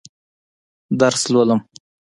درس لولم.